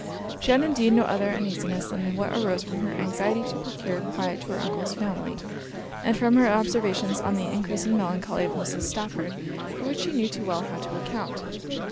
She had indeed no other uneasiness than what arose from her anxiety to procure quiet to her Uncle's family, and from her observations on the encreasing melancholy of Mrs. Stafford, for which she knew too well how to account.